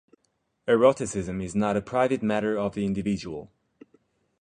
Eroticism is not a private matter of the individual.